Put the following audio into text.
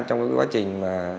trong quá trình